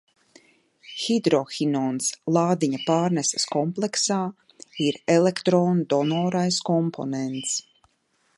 Hidrohinons lādiņa pārneses kompleksā ir elektrondonorais komponents.